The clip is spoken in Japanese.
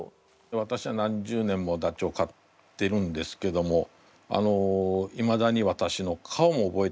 わたしは何十年もダチョウ飼ってるんですけどもいまだにわたしの顔も覚えてくれないんですね。